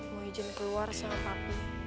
mau izin keluar sama papi